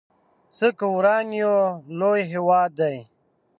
څه که وران يو لوی هيواد دی